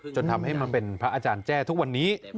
จนทำให้มาเป็นพระอาจารย์แจ้ทุกวันนี้